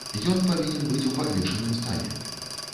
Ён павінен быць у падвешаным стане.